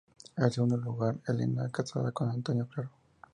En segundo lugar, Helena, casada con Antonio Claro.